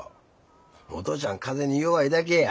お父ちゃん風邪に弱いだけや。